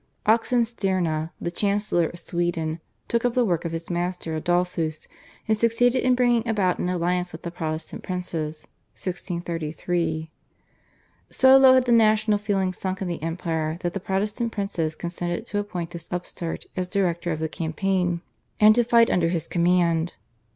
Oxenstierna, the chancellor of Sweden, took up the work of his master Adolphus and succeeded in bringing about an alliance with the Protestant princes (1633). So low had the national feeling sunk in the empire that the Protestant princes consented to appoint this upstart as director of the campaign and to fight under his command.